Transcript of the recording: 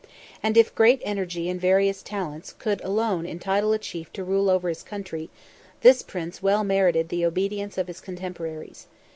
And if great energy and various talents could alone entitle a chief to rule over his country, this Prince well merited the obedience of his cotemporaries.